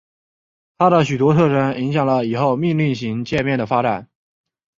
它的许多特征影响了以后命令行界面的发展。